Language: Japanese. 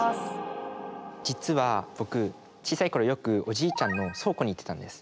実は僕小さい頃よくおじいちゃんの倉庫に行ってたんです。